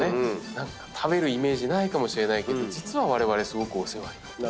食べるイメージないかもしれないけど実はわれわれすごくお世話になってる。